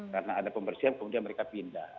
karena ada pembersihan kemudian mereka pindah